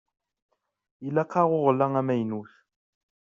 Ilaq-aɣ uɣella amaynut.